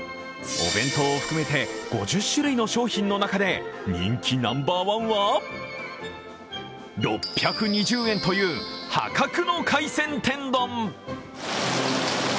お弁当を含めて５０種類の商品の中で人気ナンバーワンは、６２０円という破格の海鮮天丼。